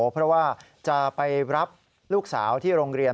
เพราะว่าจะไปรับลูกสาวที่โรงเรียน